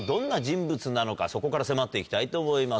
そこから迫って行きたいと思います